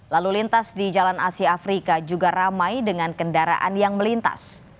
lalu lintas di jalan asia afrika juga ramai dengan kendaraan yang melintas